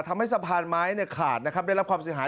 ทำให้สะพานไม้ขาดนะครับได้รับความเสียหาย